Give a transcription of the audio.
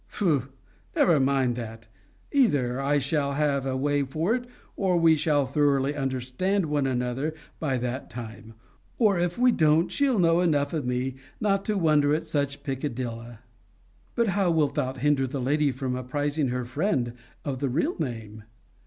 Pho! never mind that: either I shall have a way for it, or we shall thoroughly understand one another by that time; or if we don't, she'll know enough of me, not to wonder at such a peccadilla. But how wilt thou hinder the lady from apprizing her friend of the real name?